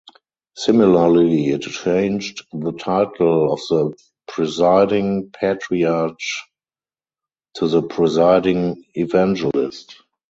Similarly, it changed the title of the Presiding Patriarch to the "Presiding Evangelist".